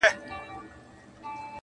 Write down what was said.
پلار ویله څارنوال ته نه پوهېږي,